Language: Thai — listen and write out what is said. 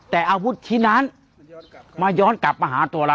แต่อาวุธชิ้นนั้นมาย้อนกลับมาหาตัวเรา